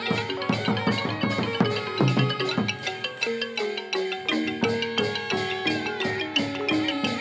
อ่าอ่าอ่า